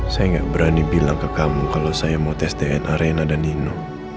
saya nggak berani bilang ke kamu kalau saya mau tes dna arena dan nino